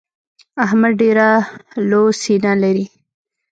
احمد ډېره لو سينه لري.